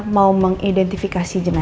mau mengidentifikasi jemaah